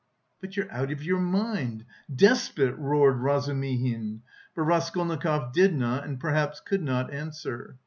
"But you're out of your mind! Despot!" roared Razumihin; but Raskolnikov did not and perhaps could not answer.